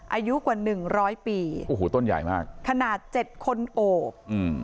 อายุกว่าหนึ่งร้อยปีโอ้โหต้นใหญ่มากขนาดเจ็ดคนโอบอืม